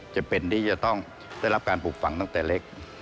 จำเป็นที่จะต้องได้รับการปลูกฝังตั้งแต่เล็ก